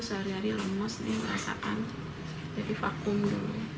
sehari hari lemes nih merasakan jadi vakum dulu